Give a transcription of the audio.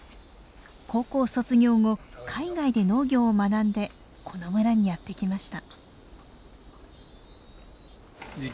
高校卒業後海外で農業を学んでこの村にやって来ました。